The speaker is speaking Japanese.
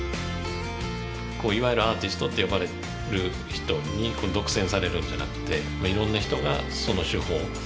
いわゆるアーティストって呼ばれる人に独占されるんじゃなくていろんな人がその手法。